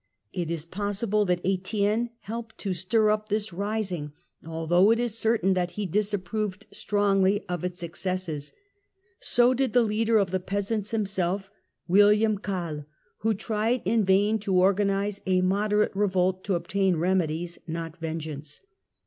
It is possible that Etienne helped to stir up this rising, although it is certain that he disapproved strongly of its excesses : so did the leader of the peasants himself, Wilham Calle, who tried in vain to organise a moderate revolt to obtain remedies, not vengeance.